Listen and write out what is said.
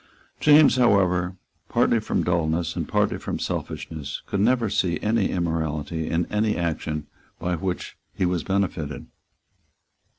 James, however, partly from dulness and partly from selfishness, could never see any immorality in any action by which he was benefited.